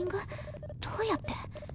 どうやって。